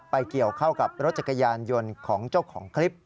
เกี่ยวเข้ากับรถจักรยานยนต์ของเจ้าของคลิป